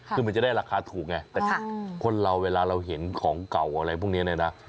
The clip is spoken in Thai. คือมันจะได้ราคาถูกไงแต่คนเราเวลาเราเห็นของเก่าอะไรพวกนี้เนี่ยนะ